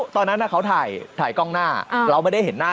ตอนนั้นเขาถ่ายกล้องหน้าเราไม่ได้เห็นหน้า